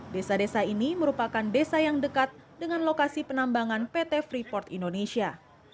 desa desa ini merupakan desa yang dekat dengan lokasi penambangan pt freeport indonesia